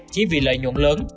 chỉ vì lợi nhuận lớn